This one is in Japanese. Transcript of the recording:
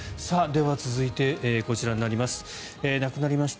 では、続いてこちらになります。